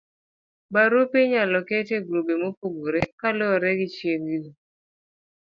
barupe inyalo ket e grube mopogore kaluwore gi chiegni